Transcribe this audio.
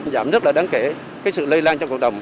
giảm rất là đáng kể sự lây lan trong cộng đồng